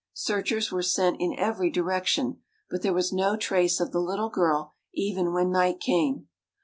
Searchers were sent in every direction, but there was no trace of the little girl even when night came.